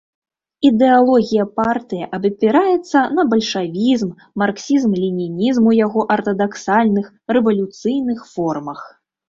Ідэалогія партыі абапіраецца на бальшавізм, марксізм-ленінізм у яго артадаксальных, рэвалюцыйных формах.